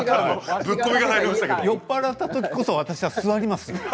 酔っ払ったときこそ私は座りますよ。